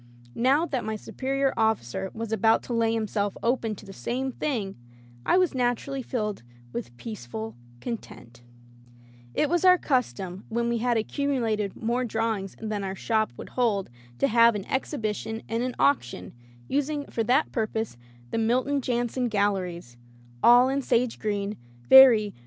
Now that my superior officer was about to lay himself open to the same thing, I was naturally filled with peaceful content. It was our custom when we had accumu lated more drawings than our shop would [ 235 ] Digitized by LjOOQ IC Interventions hold to have an exhibition and an auction, using for that purpose the Milton Jannsen Galleries — ^all in sage green, very recherche.